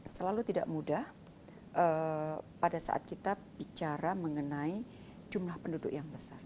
selalu tidak mudah pada saat kita bicara mengenai jumlah penduduk yang besar